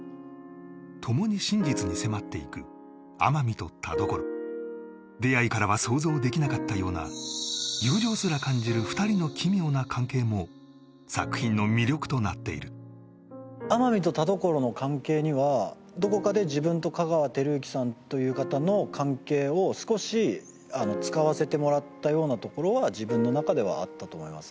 共に真実に迫っていく天海と田所出会いからは想像できなかったような友情すら感じる２人の奇妙な関係も作品の魅力となっている天海と田所の関係にはどこかで自分と香川照之さんという方の関係を少し使わせてもらったようなところは自分の中ではあったと思います